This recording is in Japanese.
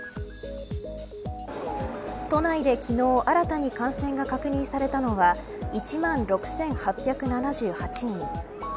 都内で昨日新たに感染が確認されたのは１万６８７８人。